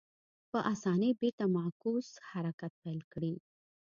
په اسانۍ بېرته معکوس حرکت پیل کړي.